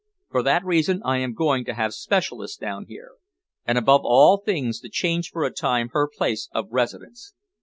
For that reason I am going to have specialists down here, and above all things to change for a time her place of residence.